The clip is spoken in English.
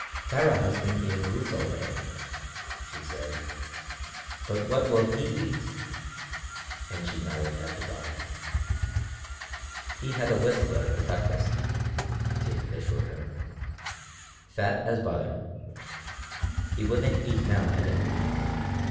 "Tara has been eating roots all day," she said, "But what will he eat?" and she nodded at the dog. "He had a whistler for breakfast," David assured her. "Fat as butter. He wouldn't eat now anyway.